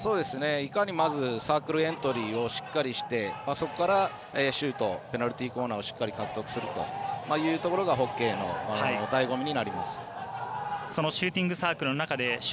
いかにサークルエントリーをしっかりして、そこからシュートペナルティーコーナーをしっかり獲得することというのがホッケーのだいご味になります。